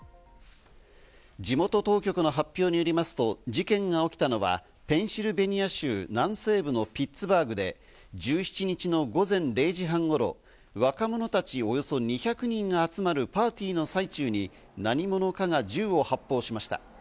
地元当局の発表によりますと事件が起きたのはペンシルベニア州南西部のピッツバーグで１７日の午前０時半頃、若者たち、およそ２００人が集まるパーティーの最中に何者かが銃を発砲しました。